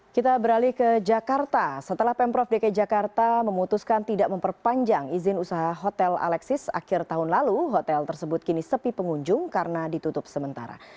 kita beralih ke jakarta setelah pemprov dki jakarta memutuskan tidak memperpanjang izin usaha hotel alexis akhir tahun lalu hotel tersebut kini sepi pengunjung karena ditutup sementara